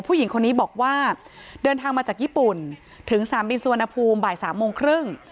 ผู้หญิงคนนี้บอกว่าเดินทางมาจากญี่ปุ่นถึงสนามบินสุวรรณภูมิบ่าย๓โมงครึ่ง